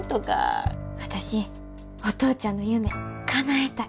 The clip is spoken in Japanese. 私お父ちゃんの夢かなえたい。